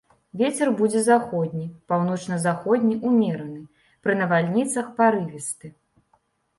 Вецер будзе заходні, паўночна-заходні ўмераны, пры навальніцах парывісты.